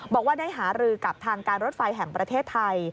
บอกว่าได้หารือกับทางการรถไฟแห่งประเทศไทย